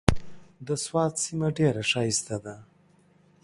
د سوات سيمه ډېره ښايسته ده۔